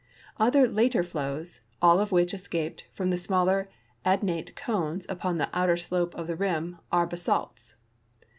Other later flows, all of which escaped from the smaller adnate cones \x\)o\\ the outer slope of the rim. are basalts.